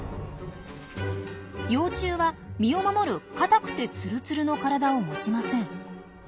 幼虫は身を守る硬くてツルツルの体を持ちません。